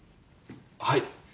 はい。